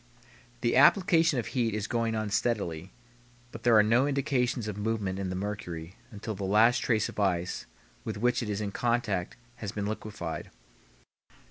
The application of heat is going on steadily, but there are no indications of movement in the mercury until the last trace of ice with which it is in contact has been liquefied.